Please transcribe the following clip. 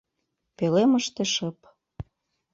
Пӧлемыште шып.